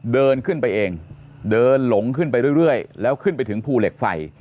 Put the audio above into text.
เดินขึ้นไปเองเดินหลงขึ้นไปเรื่อยแล้วขึ้นไปถึงภูเหล็กไฟ